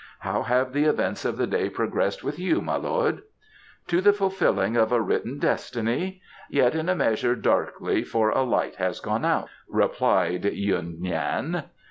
How have the events of the day progressed with you, my lord?" "To the fulfilling of a written destiny. Yet in a measure darkly, for a light has gone out," replied Yuen Yan.